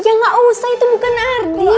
ya gak usah itu bukan arti